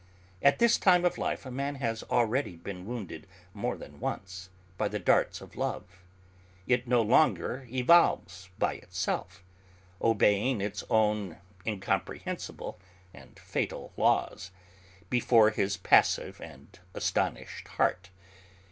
At this time of life a man has already been wounded more than once by the darts of love; it no longer evolves by itself, obeying its own incomprehensible and fatal laws, before his passive and astonished heart.